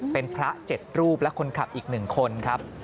เป็นพระเจ็ดรูปและคนขับอีกหนึ่งคนครับ